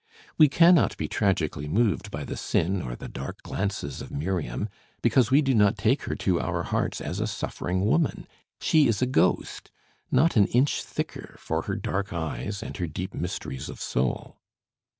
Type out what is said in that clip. We cannot be tragically moved by the sin or the dark glances of Miriam, because we do not take her to our hearts as a suffering woman; she is a ghost, not an inch thicker for her dark eyes and her deep mysteries of soul.